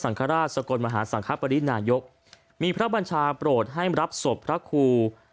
คราชสกลมหาสังคปรินายกมีพระบัญชาโปรดให้รับศพพระครู